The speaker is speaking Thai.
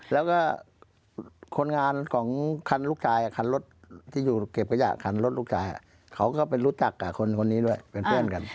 แล้วก็คนงานของคันลูกชายคันรถที่อยู่เก็บขยะคันรถลูกชายเขาก็ไปรู้จักกับคนนี้ด้วยเป็นเพื่อนกัน